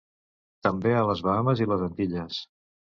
També a les Bahames i les Antilles.